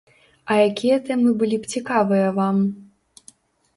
А якія тэмы былі б цікавыя вам?